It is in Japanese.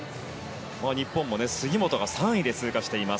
日本も杉本が３位で通過しています。